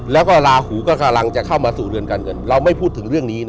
แล้วก็ลาหูก็กำลังจะเข้ามาสู่เรือนการเงินเราไม่พูดถึงเรื่องนี้นะ